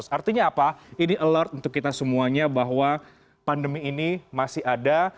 artinya apa ini alert untuk kita semuanya bahwa pandemi ini masih ada